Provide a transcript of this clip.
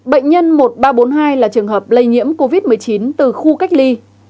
bệnh nhân một nghìn ba trăm bốn mươi hai là trường hợp lây nhiễm covid một mươi chín từ khu cách ly